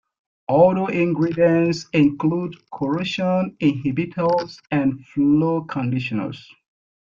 Other ingredients include corrosion inhibitors and flow conditioners.